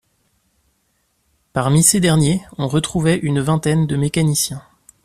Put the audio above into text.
Parmi ces derniers, on retrouvait une vingtaine de mécaniciens.